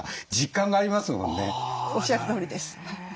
おっしゃるとおりです。